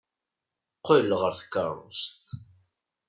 Qqel ɣer tkeṛṛust.